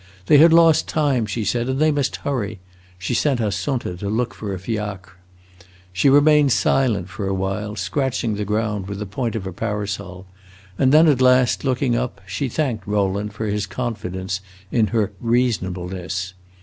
They had lost time, she said, and they must hurry; she sent Assunta to look for a fiacre. She remained silent a while, scratching the ground with the point of her parasol, and then at last, looking up, she thanked Rowland for his confidence in her "reasonableness."